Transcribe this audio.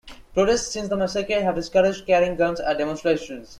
Protests since the massacre have discouraged carrying guns at demonstrations.